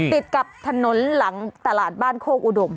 ติดกับถนนหลังตลาดบ้านโคกอุดม